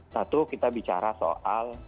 satu kita bicara soal